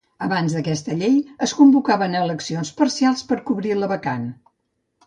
Abans d'aquesta llei, es convocaven eleccions parcials per a cobrir la vacant.